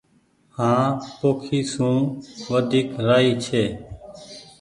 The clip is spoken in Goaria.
هآنٚ پوکي سون وديڪ رآئي ڇي